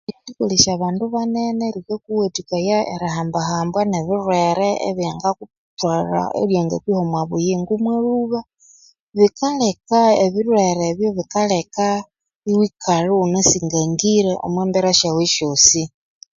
Erikolesya abandu banene likakuwathikaya erihambwahambwa nebilhwere ebyangakuthwalha ebyanga kwiha omwa buyingo mwa lhuba bikaleka ebilhwere ebyo bikaleka iwikalha iwuna singangire omwa mbera syawe esyosi.